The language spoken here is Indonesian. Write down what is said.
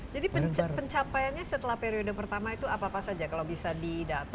jadi pencapaiannya setelah periode pertama itu apa apa saja kalau bisa didata